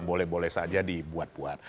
boleh boleh saja dibuat buat